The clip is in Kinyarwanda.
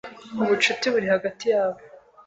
ubucuti buri hagati yabo,